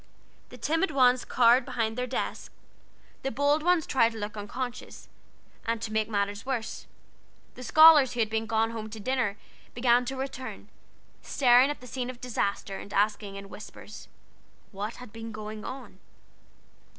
The timid ones cowered behind their desks, the bold ones tried to look unconscious, and, to make matters worse, the scholars who had gone home to dinner began to return, staring at the scene of disaster, and asking, in whispers, what had been going on?